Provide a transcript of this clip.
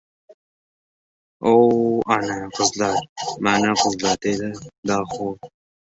"O, ana qizlar, mana qizlar! — dedi Daho.